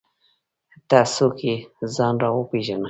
ته څوک یې ؟ ځان راوپېژنه!